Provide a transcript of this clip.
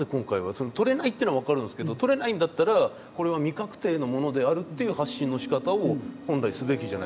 その取れないってのは分かるんですけど取れないんだったらこれは未確定のものであるっていう発信のしかたを本来すべきじゃないですか。